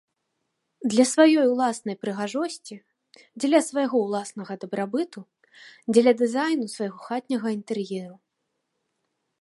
Для сваёй уласнай прыгажосці, дзеля свайго уласнага дабрабыту, дзеля дызайну свайго хатняга інтэр'еру.